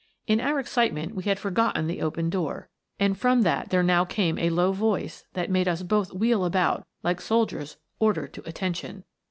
In our excitement we had forgotten the open door, and from that there now came a low voice that made us both wheel about like soldiers ordered to " Attention."